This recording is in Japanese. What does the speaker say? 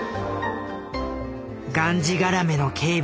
がんじがらめの警備。